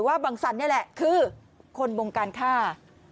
บังสันนี่แหละคือคนบงการฆ่า